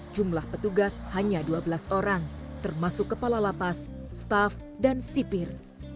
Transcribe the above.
jumlah petugas hanya dua belas orang termasuk kepala lapas staff dan sipir